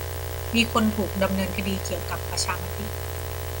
มีคนถูกดำเนินคดีเกี่ยวกับประชามติ